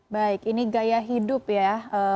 baik ini gaya hidup ya